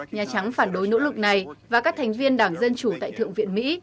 nhà trắng phản đối nỗ lực này và các thành viên đảng dân chủ tại thượng viện mỹ